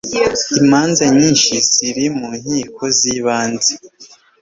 imanza nyishi ziri mu nkiko z ibanze